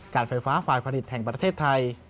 การไฟฟ้าฝ่ายผลิตแห่งประเทศไทย